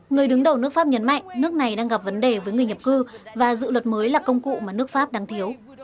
người đứng đầu nước pháp nhấn mạnh nước này đang gặp vấn đề với người nhập cư và dự luật mới là công cụ mà nước pháp đang thiếu